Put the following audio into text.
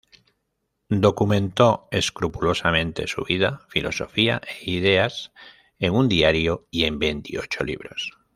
Documentó escrupulosamente su vida, filosofía e ideas en un diario y en veintiocho libros.